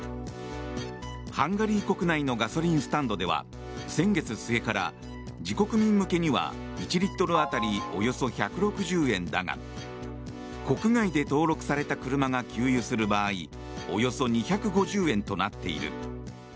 ハンガリー国内のガソリンスタンドでは先月末から、自国民向けには１リットル当たりおよそ１６０円だが国外で登録された車が給油する場合およそ２５０円となっている。